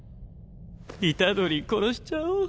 虎杖殺しちゃお。